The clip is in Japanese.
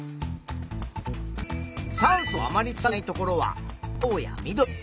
酸素をあまり使っていないところは青や緑。